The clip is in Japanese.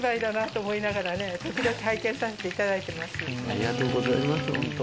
ありがとうございます本当。